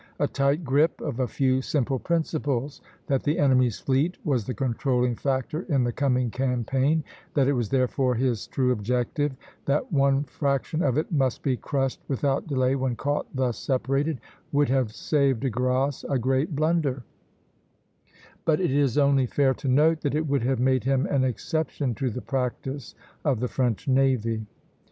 A tight grip of a few simple principles that the enemy's fleet was the controlling factor in the coming campaign, that it was therefore his true objective, that one fraction of it must be crushed without delay when caught thus separated would have saved De Grasse a great blunder; but it is only fair to note that it would have made him an exception to the practice of the French navy.